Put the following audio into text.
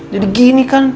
jadi gini kan